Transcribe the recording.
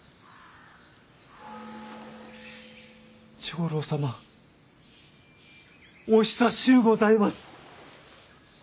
長老様お久しゅうございます。